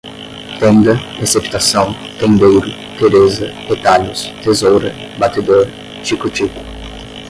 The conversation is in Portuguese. tenda, receptação, tendeiro, teresa, retalhos, tesoura, batedor, tico-tico